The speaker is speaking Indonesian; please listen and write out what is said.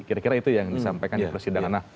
kira kira itu yang disampaikan di proses sidang